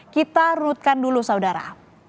kita rutkan dulu saudara